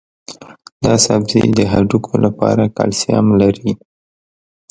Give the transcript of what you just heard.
دا سبزی د هډوکو لپاره کلسیم لري.